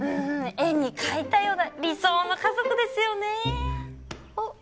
絵に描いたような理想の家族ですよね。